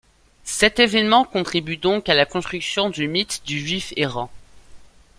Cet événement contribue donc à la construction du mythe du Juif errant.